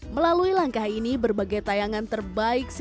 melalui langkah ini berbagai tayangan terbaik cnn indonesia